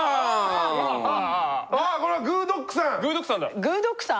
あこれは「グぅ！ドッグ」さん。